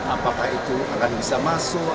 apakah itu akan bisa masuk